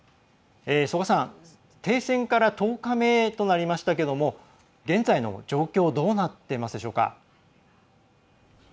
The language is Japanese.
曽我さん、停戦から１０日目となりましたが現在の状況、どうなってますか？